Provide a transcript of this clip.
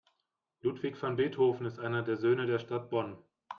Ludwig van Beethoven ist einer der Söhne der Stadt Bonn.